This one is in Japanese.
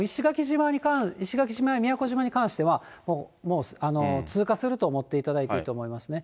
ただ石垣島や宮古島に関しては、もう通過すると思っていただいていいと思いますね。